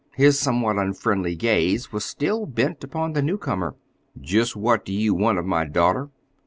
His somewhat unfriendly gaze was still bent upon the newcomer. "Just what do you want of my daughter?"